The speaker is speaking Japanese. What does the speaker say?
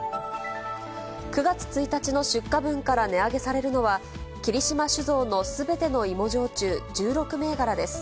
９月１日の出荷分から値上げされるのは、霧島酒造のすべての芋焼酎１６銘柄です。